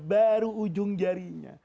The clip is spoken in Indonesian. baru ujung jarinya